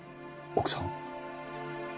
奥さん？